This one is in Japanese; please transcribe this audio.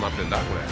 これ。